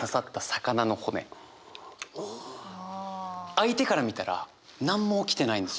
相手から見たら何も起きてないんです。